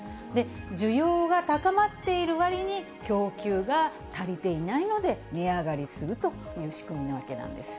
需要が高まっているわりに、供給が足りていないので、値上がりするという仕組みなわけなんです。